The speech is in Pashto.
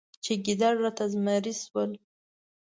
چې ګیدړ راته زمری شول.